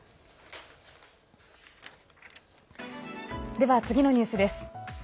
では、次のニュースです。